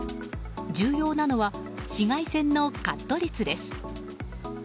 重要なのは紫外線のカット率です。